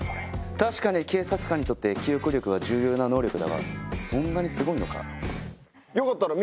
確かに警察官にとって記憶力は重要な能力だがそんなにすごいのか？